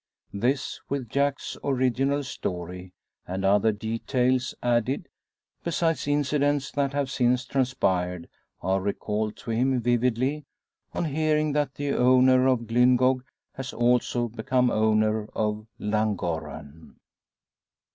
This, with Jack's original story, and other details added, besides incidents that have since transpired, are recalled to him vividly on hearing that the owner of Glyngog has also become owner of Llangorren.